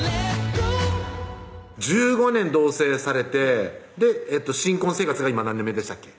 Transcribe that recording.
１５年同棲されて新婚生活が今何年目でしたっけ？